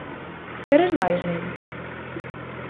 -Queres máis, neno?